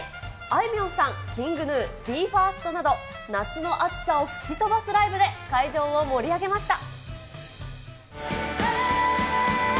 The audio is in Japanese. あいみょんさん、ＫｉｎｇＧｎｕ、ＢＥ：ＦＩＲＳＴなど、夏の暑さを吹き飛ばすライブで、会場を盛り上げました。